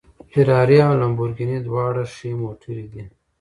فېراري او لمبورګیني دواړه ښې موټرې دي